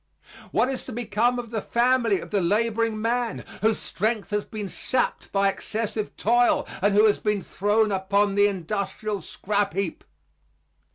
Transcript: What is to become of the family of the laboring man whose strength has been sapped by excessive toil and who has been thrown upon the industrial scrap heap?